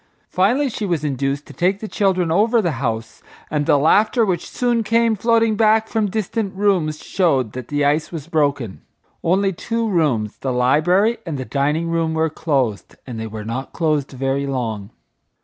Finally she was induced to take the children over the house, and the laughter which soon came floating back from distant rooms showed that the ice was broken. Only two rooms, the library and the dining room, were closed, and they were not closed very long.